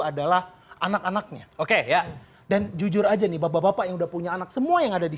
adalah anak anaknya oke ya dan jujur aja nih bapak bapak yang udah punya anak semua yang ada di